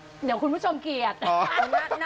เดี๋ยวพวกคุณผู้ชมเห็น